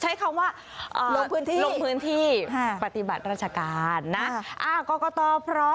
ใช้คำว่าลงพื้นที่ปฎิบัติราชการ